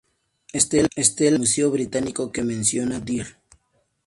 Estela en el Museo Británico que menciona Der.